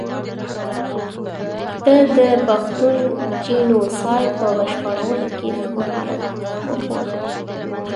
ده د پښتون جینو سایډ په بشپړولو کې ښه مهارت وښود.